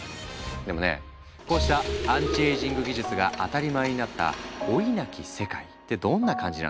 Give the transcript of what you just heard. でもねこうしたアンチエイジング技術が当たり前になった老いなき世界ってどんな感じなんだろう？